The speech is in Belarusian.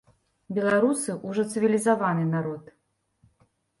Беларусы ўжо цывілізаваны народ.